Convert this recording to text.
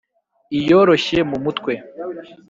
iyoroshye mu mutwe